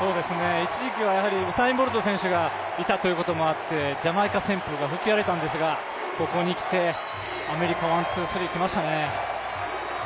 一時期はウサイン・ボルト選手がいたということもあってジャマイカ旋風が吹き荒れたんですがここにきてアメリカワンツースリー来ましたね。